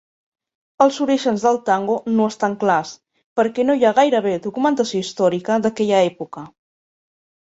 Els orígens del tango no estan clars perquè no hi ha gairebé documentació històrica d'aquella època.